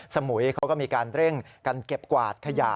สมุยเขาก็มีการเร่งกันเก็บกวาดขยะ